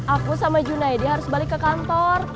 aku sama junaidi harus balik ke kantor